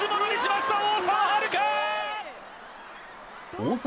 大澤！